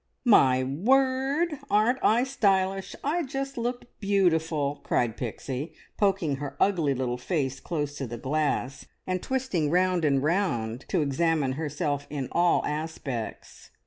"My worrd! Aren't I stylish! I just look beautiful!" cried Pixie, poking her ugly little face close to the glass, and twisting round and round to examine herself in all aspects.